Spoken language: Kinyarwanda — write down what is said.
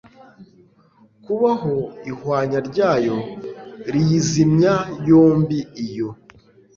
kubaho ihwanya ryayo riyizimya yombi iyo